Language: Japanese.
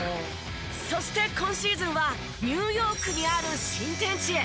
そして今シーズンはニューヨークにある新天地へ。